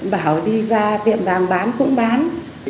bảo đi ra tiệm đàm bán cũng bán